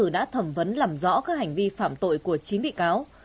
đã thẩm vấn làm rõ các hành vi phạm tội của chín bị cáo